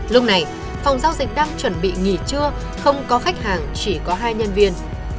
lúc này phòng giao dịch đang chuẩn bị nghỉ trưa không có khách hàng chỉ có hai nhân viên